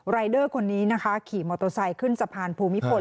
รายเดอร์คนนี้นะคะขี่มอโตซัยขึ้นสะพานภูมิพล